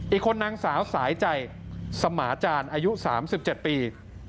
อีกคนนางสาวสายใจสมาจารย์อายุสามสิบเจ็ดปี